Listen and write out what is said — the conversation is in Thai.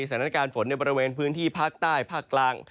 สถานการณ์ฝนในบริเวณพื้นที่ภาคใต้ภาคกลาง